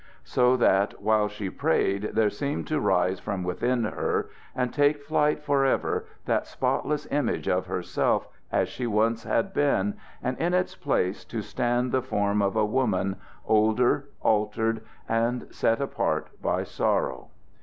So that while she prayed there seemed to rise from within her and take flight forever that spotless image of herself as she once had been, and in its place to stand the form of a woman, older, altered, and set apart by sorrow.